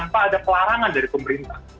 pada saat ini pada saat ini